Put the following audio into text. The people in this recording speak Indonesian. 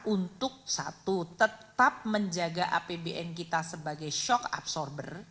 untuk satu tetap menjaga apbn kita sebagai shock absorber